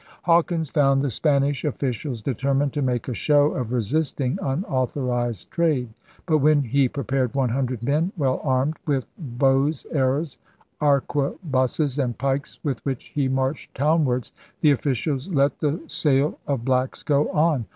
Hawkins found the Spanish oflBcials determined to make a show of resisting unauthorized trade. But when 'he prepared 100 men well armed with bows, arrows, arquebuses, and pikes, with which he marched town wards,' the officials let the sale HAWKINS AND THE FIGHTING TRADERS 81 of blacks go on.